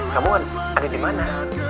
kamu ada di mana